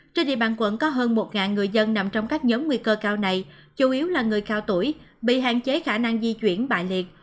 trên địa bàn quận có hơn một người dân nằm trong các nhóm nguy cơ cao này chủ yếu là người cao tuổi bị hạn chế khả năng di chuyển bà liệt